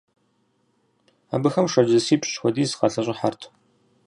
Абыхэм шэрджэсипщӀ хуэдиз къалъэщӀыхьэрт.